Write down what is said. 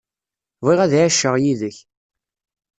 Bɣiɣ ad ɛiceɣ yid-k.